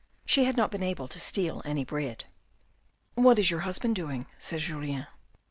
She had not been able to steal any bread. " What is your husband doing ?" said Julien.